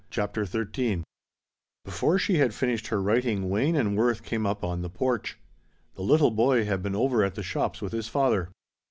CHAPTER XIII Before she had finished her writing Wayne and Worth came up on the porch. The little boy had been over at the shops with his father.